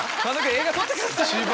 映画撮ってください！